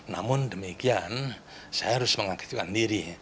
namun demikian saya harus mengaktifkan diri